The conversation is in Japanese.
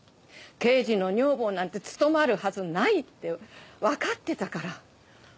刑事の女房なんて務まるはずないってわかってたから。